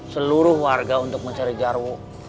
seluruh warga untuk mencari jarwo